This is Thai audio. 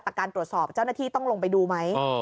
การตรวจสอบเจ้าหน้าที่ต้องลงไปดูไหม